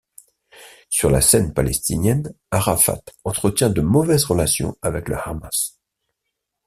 Sur la scène palestinienne, Arafat entretient de mauvaises relations avec le Hamas.